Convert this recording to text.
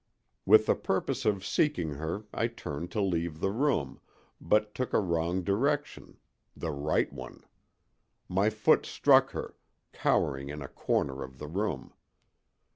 With the purpose of seeking her I turned to leave the room, but took a wrong direction—the right one! My foot struck her, cowering in a corner of the room.